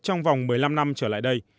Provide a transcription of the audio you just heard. trong vòng một mươi năm năm trở lại đây